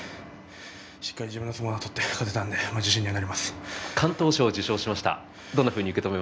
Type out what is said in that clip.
しっかり自分の相撲を取って勝てたので自信に敢闘賞受賞しました。